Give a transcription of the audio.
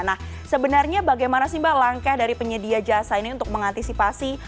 nah sebenarnya bagaimana sih mbak langkah dari penyedia jasa ini untuk mengantisipasi